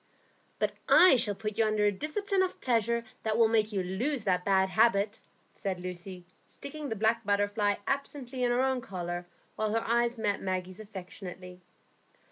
"But I shall put you under a discipline of pleasure that will make you lose that bad habit," said Lucy, sticking the black butterfly absently in her own collar, while her eyes met Maggie's affectionately.